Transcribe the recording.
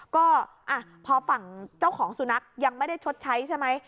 ก็พอฝั่งเจ้าของสุนัขยังไม่ได้ชดใช้ใช่ไหม